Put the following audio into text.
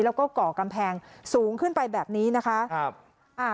แล้วก็ก่อกำแพงสูงขึ้นไปแบบนี้นะคะครับอ่า